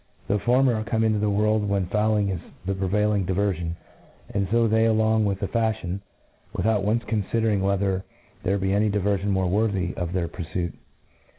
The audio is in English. The for mer are come into the world when fowling is^ the prevailing diverfion j and fo they . go along with the fafhion, without once confidering whe ther there he any other diverfion more worthy of their purfuit.